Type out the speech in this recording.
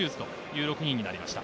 この６人になりました。